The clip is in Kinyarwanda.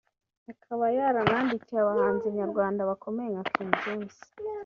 akaba yaranandikiye abahanzi nyarwanda bakomeye nka King James